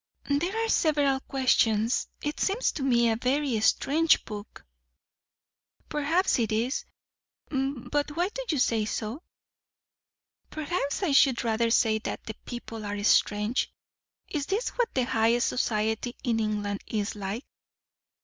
"There are several questions. It seems to me a very strange book!" "Perhaps it is. But why do you say so?" "Perhaps I should rather say that the people are strange. Is this what the highest society in England is like?"